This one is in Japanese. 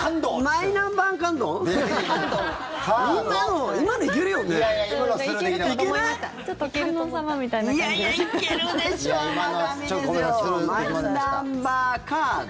マイナンバーカード。